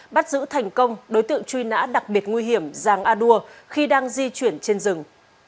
bắt giữ thành công đối tượng truy nã đặc biệt nguy hiểm giàng a đua khi đang di chuyển trên rừng